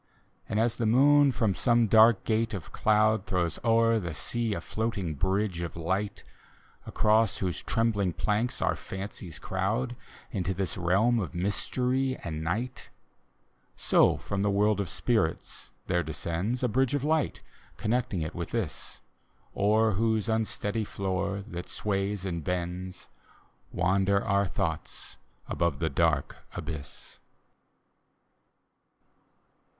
And as the moon from some dark gate of cloud Throws o'er the sea a floating bridge of light. Across whose trembling planks our fancies crowd Into the reahn of mystery and ntg^t — So from the world of spirits there descends, A bridge of light, connecting it with this, O'er whose unsteady floor, that sways and bends, Wander our thoughts above the dark abyss.